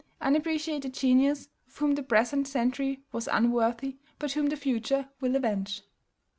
Unappreciated genius, of whom the present century was unworthy, but whom the future will avenge!